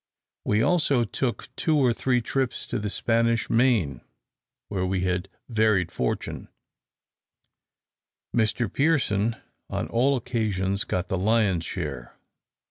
We also took two or three trips to the Spanish Main, where we had varied fortune; Master Pearson on all occasions got the lion's share.